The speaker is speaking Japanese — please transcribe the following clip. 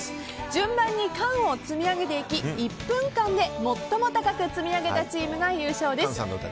順番に缶を積み上げていき１分間で最も高く積み上げたチームが優勝です。